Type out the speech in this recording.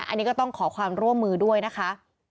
อันนี้ก็ต้องขอความร่วมมือด้วยนะคะ